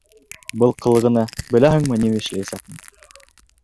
Был ҡылығыңа, беләһеңме, ни эшләтәсәкмен?